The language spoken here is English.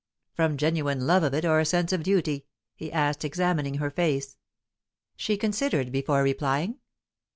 "From genuine love of it, or a sense of duty?" he asked, examining her face. She considered before replying.